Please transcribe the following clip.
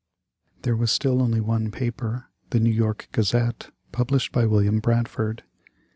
There was still only one paper, the New York Gazette, published by William Bradford.